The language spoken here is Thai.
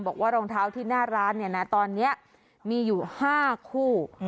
รองเท้าที่หน้าร้านเนี่ยนะตอนนี้มีอยู่๕คู่